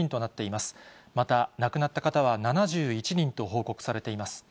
また亡くなった方は７１人と報告されています。